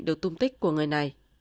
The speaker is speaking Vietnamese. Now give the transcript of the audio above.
được tung tích của người này